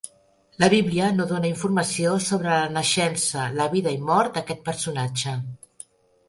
La Bíblia no dóna informació sobre la naixença, la vida i mort d'aquest personatge.